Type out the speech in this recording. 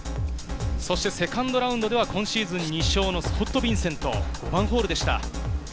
セカンドラウンドでは今シーズン２勝のスコット・ビンセント、１ホールでした。